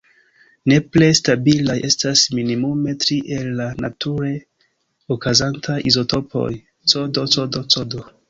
Nepre stabilaj estas minimume tri el la nature okazantaj izotopoj: Cd, Cd, Cd.